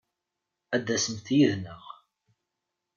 Ad d-tasemt yid-neɣ!